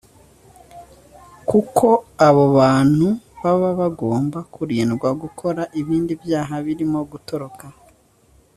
kuko abo bantu baba bagomba kurindwa gukora ibindi byaha birimo gutoroka